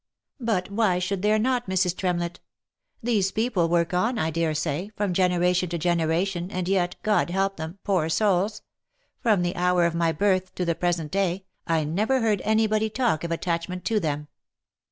But why should there not, Mrs. Trem lett? These people work on, I dare say, from generation to gene ration, and yet, God help them, poor souls !— from the hour of my birth to the present day, I never heard any body talk of attachment to them.